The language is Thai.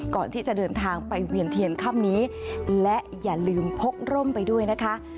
ก่อนที่จะเดินทางไปเวียนเทียนค่ำนี้และอย่าลืมพกร่มไปด้วยนะคะ